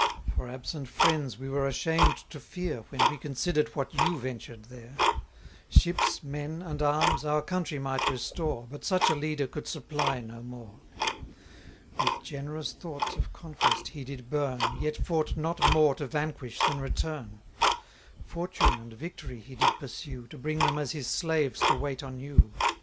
For absent friends we were ashamed to fear When we consider'd what you ventured there. Ships, men, and arms, our country might restore, But such a leader could supply no more. With generous thoughts of conquest he did burn, Yet fought not more to vanquish than return. Fortune and victory he did pursue, To bring them as his slaves to wait on you.